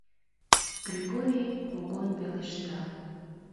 — Кргорий кугун пелешта.